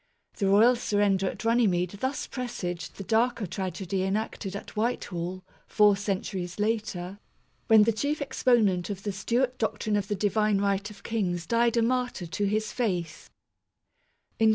The royal surrender at Runnymede thus presaged the darker tragedy enacted at Whitehall, four centuries later, when the chief exponent of the Stewart doctrine of the Divine Right of Kings died a martyr to his faith.